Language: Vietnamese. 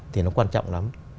thì nó quan trọng lắm